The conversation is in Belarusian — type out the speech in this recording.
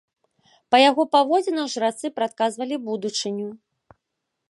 Па яго паводзінах жрацы прадказвалі будучыню.